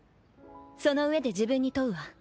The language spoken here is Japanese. そのうえで自分に問うわ。